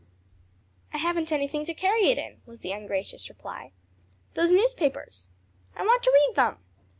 "I haven't anything to carry it in," was the ungracious reply. "Those newspapers." "I want to read them."